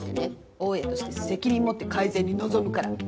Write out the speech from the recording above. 大家として責任持って改善に臨むから！